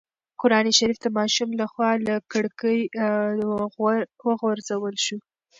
قرانشریف د ماشوم له خوا له کړکۍ وغورځول شو.